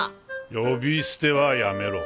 呼び捨てはやめろ。